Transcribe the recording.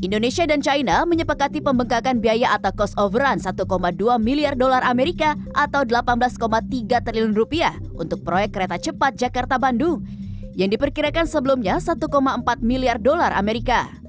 indonesia dan china menyepakati pembengkakan biaya atau cost overrun satu dua miliar dolar amerika atau delapan belas tiga triliun rupiah untuk proyek kereta cepat jakarta bandung yang diperkirakan sebelumnya satu empat miliar dolar amerika